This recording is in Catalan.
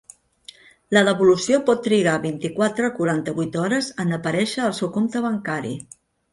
La devolució pot trigar vint-i-quatre-quaranta-vuit hores en aparèixer al seu compte bancari.